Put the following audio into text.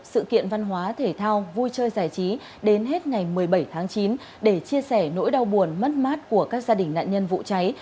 sự kiện văn hóa thể thao vui chơi giải trí đến hết ngày một mươi bảy tháng chín để chia sẻ nỗi đau buồn mất mát của các gia đình nạn nhân vụ cháy